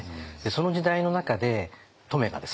その時代の中で乙女がですね